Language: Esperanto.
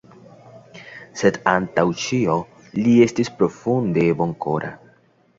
Sed antaŭ ĉio li estis profunde bonkora.